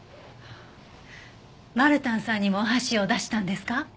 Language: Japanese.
マルタンさんにもお箸を出したんですか？